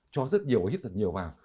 cho rất nhiều và hít rất nhiều vào